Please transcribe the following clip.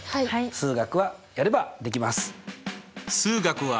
数学はやればできます！